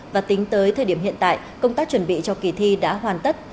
và tính tới thời điểm hiện tại công tác chuẩn bị cho kỳ thi đã hoàn tất